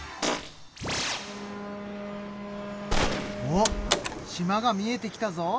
うわっ島が見えてきたぞ。